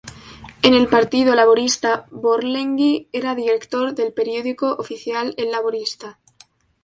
En el Partido Laborista Borlenghi era director del periódico oficial, "El Laborista".